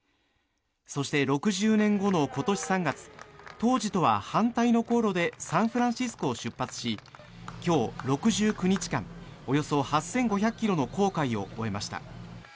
そして、６０年後の今年３月当時とは反対の航路でサンフランシスコを出発し今日、６９日間およそ８５００ｋｍの航海を終えました。